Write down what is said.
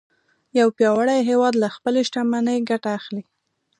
یو پیاوړی هیواد له خپلې شتمنۍ ګټه اخلي